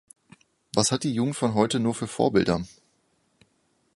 Was hat die Jugend von heute nur für Vorbilder?